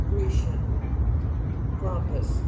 Grecian. GRAMPUS.